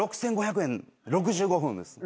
６，５００円６５分です。